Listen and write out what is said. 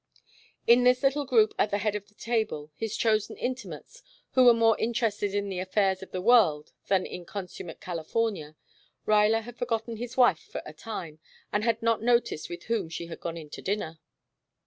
In this little group at the head of the table, his chosen intimates, who were more interested in the affairs of the world than in Consummate California, Ruyler had forgotten his wife for a time and had not noticed with whom she had gone in to dinner.